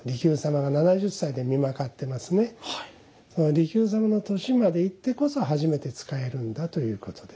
利休様の年まで生きてこそ初めて使えるんだということで。